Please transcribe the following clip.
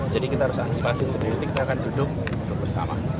jadi kita harus antisipasi untuk berhenti kita akan duduk bersama